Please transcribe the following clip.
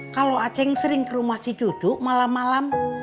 kalo aceng sering ke rumah si cucu malam malam